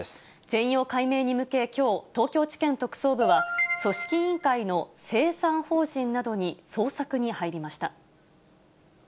全容解明に向け、きょう、東京地検特捜部は、組織委員会の清算法人などに捜索に入りました。